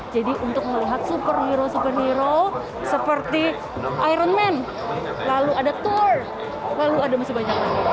jadi untuk melihat superhero superhero seperti iron man lalu ada thor lalu ada masih banyak lagi